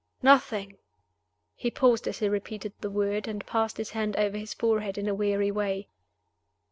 "Nothing?" He paused as he repeated the word, and passed his hand over his forehead in a weary way.